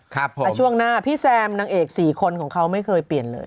แต่ช่วงหน้าพี่แซมนางเอก๔คนของเขาไม่เคยเปลี่ยนเลย